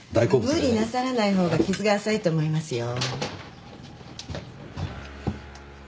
無理なさらない方が傷が浅いと思いますよ。